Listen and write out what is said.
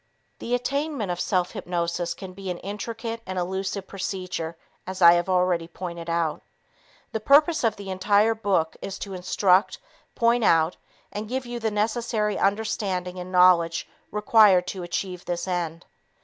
The attainment of self hypnosis can be an intricate and elusive procedure as I have already pointed out. The purpose of the entire book is to instruct, point out and give you the necessary understanding and knowledge required to achieve this end.